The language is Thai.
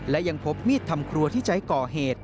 และยังพบมีดทำครัวที่ใช้ก่อเหตุ